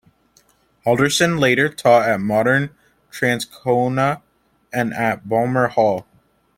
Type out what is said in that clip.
Halldorson later taught at Morden, Transcona and at Balmoral Hall.